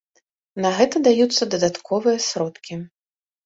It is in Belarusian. На гэта даюцца дадатковыя сродкі.